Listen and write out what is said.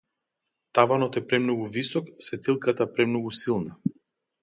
Таванот е премногу висок, светилката премногу силна.